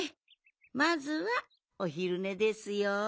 まずはおひるねですよ。